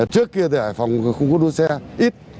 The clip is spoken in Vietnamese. trước kia thì hải phòng không có đua xe ít